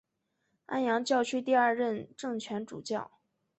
安阳教区第二任正权主教。